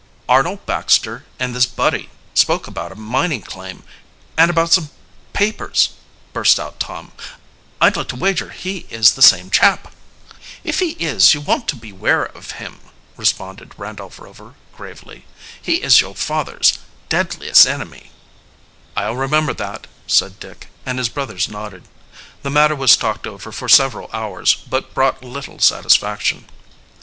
"Arnold Baxter and this Buddy spoke about a mining claim, and about some papers," burst out Tom. "I'd like to wager he is the same chap!" "If he is, you want to beware of him," responded Randolph Rover gravely. "He is your father's deadliest enemy." "I'll remember that," said Dick, and his brothers nodded. The matter was talked over for several hours, but brought little satisfaction.